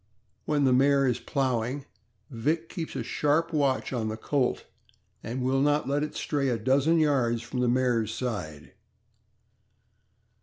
When the mare is plowing, Vick keeps a sharp watch on the colt, and will not let it stray a dozen yards from the mare's side.